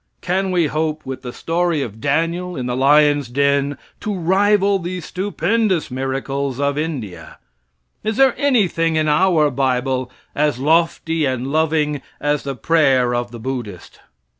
Can we hope, with the story of Daniel in the lion's den, to rival the stupendous miracles of India? Is there anything in our bible as lofty and loving as the prayer of the Buddhist?